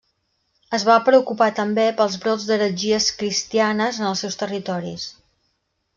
Es va preocupar també pels brots d'heretgies cristianes en els seus territoris.